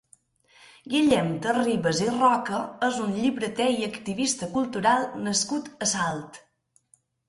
Guillem Terribas i Roca és un llibreter i activista cultural nascut a Salt.